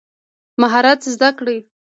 مهارت زده کړئ